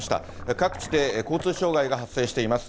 各地で交通障害が発生しています。